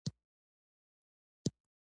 د دې حیوان سترګې د شپې ځلېږي.